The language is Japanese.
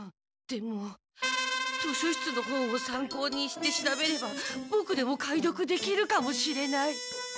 でも図書室の本を参考にして調べればボクでも解読できるかもしれない。